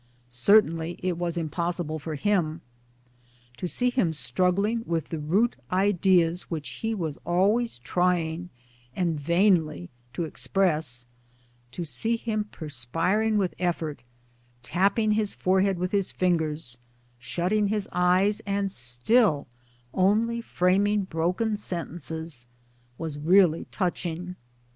Certainly it was impos sible for him. To see him struggling with the root ideas which he was always trying, and vainly, to express, to see him perspiring with effort, tapping his forehead with his fingers, shutting his eyes, and still only framing broken sentences, was really touch ing.